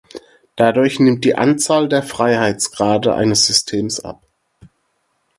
Dadurch nimmt die Anzahl der Freiheitsgrade eines Systems ab.